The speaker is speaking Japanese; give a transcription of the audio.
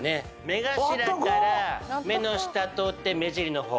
目頭から目の下通って目尻の方。